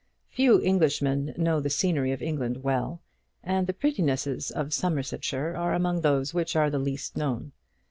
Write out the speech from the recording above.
Few Englishmen know the scenery of England well, and the prettinesses of Somersetshire are among those which are the least known.